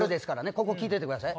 ここ聞いといてください。